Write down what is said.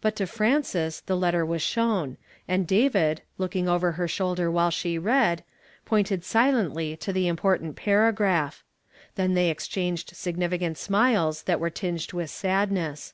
But to Frances the letter was shown ; and David, looking over her slioulder while she read, IDointed silently to the important paragraph ; then they exchanged significant smiles that were tinged with sadness.